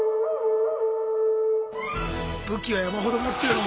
武器は山ほど持ってるもんね。